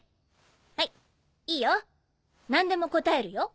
はいいいよ何でも答えるよ。